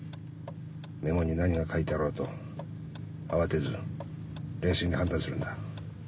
メモに何が書いてあろうと慌てず冷静に判断するんだ。